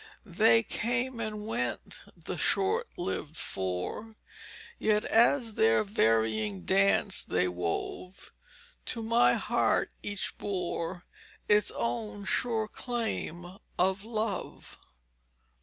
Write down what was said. _ _They came and went, the short lived four, Yet, as their varying dance they wove, To my young heart each bore Its own sure claim of love.